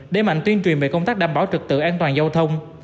để mạnh tuyên truyền về công tác đảm bảo trực tự an toàn giao thông